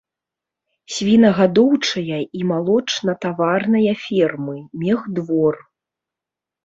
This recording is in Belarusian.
Свінагадоўчая і малочнатаварная фермы, мехдвор.